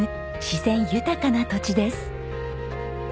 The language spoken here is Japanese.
自然豊かな土地です。